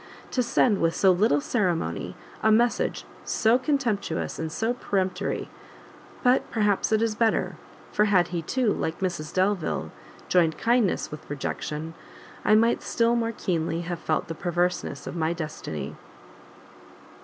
To send with so little ceremony a message so contemptuous and so peremptory! but perhaps it is better, for had he, too, like Mrs Delvile, joined kindness with rejection, I might still more keenly have felt the perverseness of my destiny."